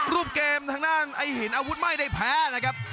รูปเกมทางด้านไอ้หินอาวุธไม่ได้แพ้นะครับ